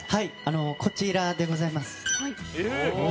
こちらでございます。